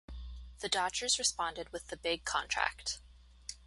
The Dodgers responded with the big contract.